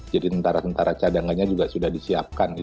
jadi tentara tentara cadangannya juga sudah disiapkan